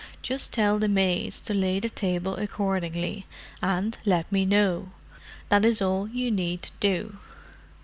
Just tell the maids to lay the table accordingly, and let me know—that is all you need do."